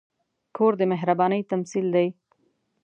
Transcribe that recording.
کور د مهربانۍ تمثیل دی.